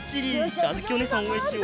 じゃああづきおねえさんをおうえんしよう。